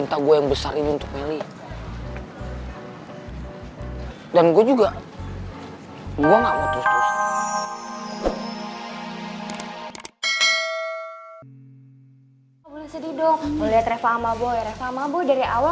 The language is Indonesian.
dan gue juga